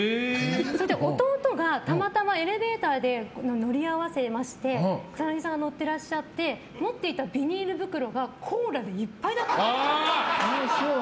それで、弟がたまたまエレベーターで乗り合わせまして草なぎさんが乗ってらっしゃって持っていたビニール袋がコーラでいっぱいだったんです。